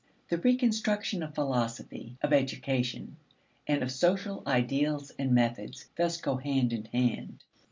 The reconstruction of philosophy, of education, and of social ideals and methods thus go hand in hand.